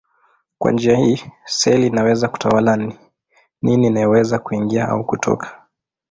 Kwa njia hii seli inaweza kutawala ni nini inayoweza kuingia au kutoka.